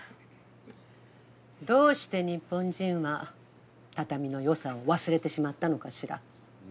どうして日本人は畳の良さを忘れてしまったのかしら。